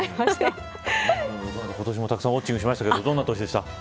今年もたくさんウオッチングしましたけど、どんな年でした。